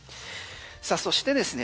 さあそしてですね